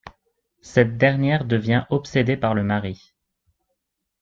Cette dernière devient obsédée par le mari...